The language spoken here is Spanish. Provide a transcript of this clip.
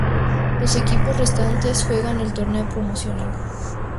Los equipos restantes juegan el Torneo Promocional.